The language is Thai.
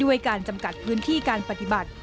ด้วยการจำกัดพื้นที่การปฏิบัติ